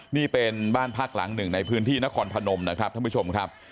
นี่เป็นบ้านพักหลังหนึ่งในพื้นที่นครพนมนะครับท่านผู้ชมครับ